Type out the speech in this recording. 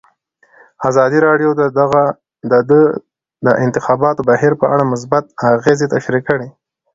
ازادي راډیو د د انتخاباتو بهیر په اړه مثبت اغېزې تشریح کړي.